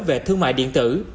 về thương mại điện tử